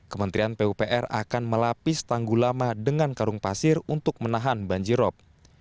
kementerian pupr akan melapis tanggul lama dengan karung pasir untuk menahan banjirop